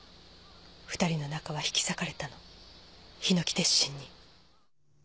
２人の仲は引き裂かれたの檜鉄心に。